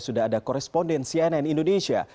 sudah ada koresponden cnn indonesia